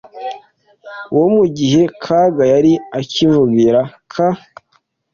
Uwo mu gihe Kaga yari akivugira k